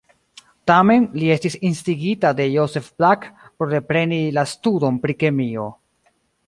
Tamen, li estis instigita de Joseph Black por repreni la studon pri kemio.